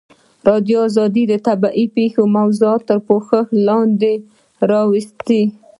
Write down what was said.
ازادي راډیو د طبیعي پېښې موضوع تر پوښښ لاندې راوستې.